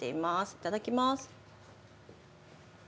いただきます。